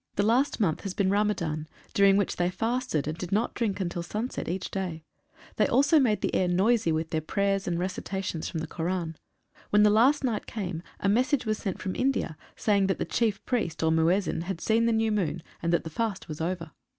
The last month has been Ramadan, during which they fasted, and did not drink until sunset each day. They also made the air noisy with their prayers and recitations from the Koran. When the last night came a message was sent from India, saying that the Chief Priest, or Muezzin, had seen the new moon, and that the fast was over.